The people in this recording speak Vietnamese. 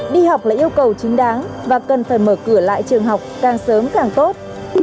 đi học là yêu cầu chính đáng và cần phải mở cửa lại trường học càng sớm càng tốt